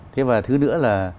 thế và thứ nữa là